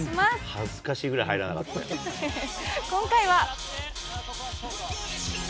恥ずかしいぐらい入らなかっ今回は。